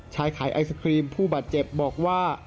ขายไอศครีมผู้บาดเจ็บบอกว่า